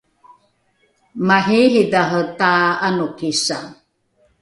mariiridhare ta’anokisa